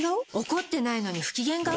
怒ってないのに不機嫌顔？